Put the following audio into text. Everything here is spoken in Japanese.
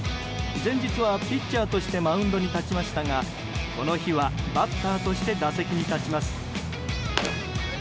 前日はピッチャーとしてマウンドに立ちましたがこの日はバッターとして打席に立ちます。